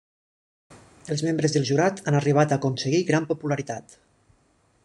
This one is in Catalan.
Els membres del jurat han arribat a aconseguir gran popularitat.